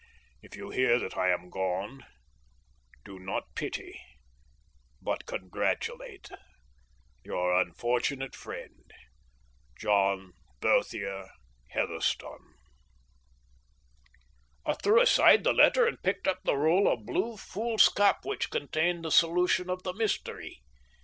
If you hear that I am gone, do not pity, but congratulate Your unfortunate friend, JOHN BERTHIER HEATHERSTONE. I threw aside the letter and picked up the roll of blue foolscap which contained the solution of the mystery.